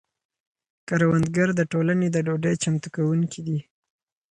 کروندګر د ټولنې د ډوډۍ چمتو کونکي دي.